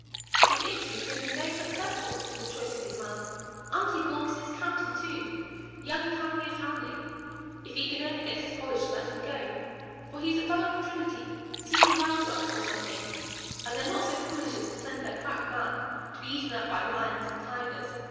He thinks he is going to be very successful in the choice of his man and he belongs to this county, too, young Hamley of Hamley, if he can only get his college to let him go, for he is a Fellow of Trinity, senior wrangler or something; and they're not so foolish as to send their crack man to be eaten up by lions and tigers!"